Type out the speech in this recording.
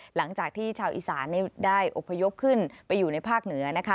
หลังจากที่ชาวอีสานได้อบพยพขึ้นไปอยู่ในภาคเหนือนะคะ